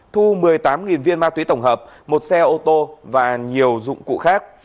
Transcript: thu một mươi tám viên ma túy tổng hợp một xe ô tô và nhiều dụng cụ khác